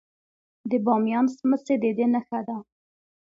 د بامیان سمڅې د دې نښه ده